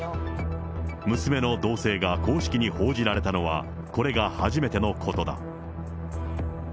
娘の動静が公式に報じられたのは、これが初めてのことだ。